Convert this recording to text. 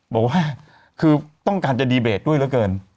บอกว่าคือต้องการจะดีเบตด้วยเหลือเกิน